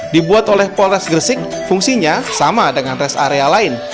dibuat oleh polres gresik fungsinya sama dengan rest area lain